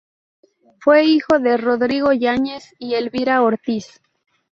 Fue hijo de Rodrigo Yáñez y Elvira Ortiz.